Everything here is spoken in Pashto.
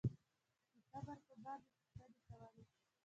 د قبر په باب یې پوښتنې کولې.